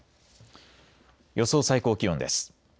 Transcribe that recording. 予想最高気温です。